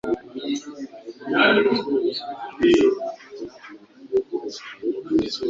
w’icyo babonye cyose, kandi ngo bagire ububabare